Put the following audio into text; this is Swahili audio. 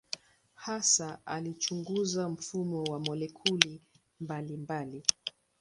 Hasa alichunguza mfumo wa molekuli mbalimbali.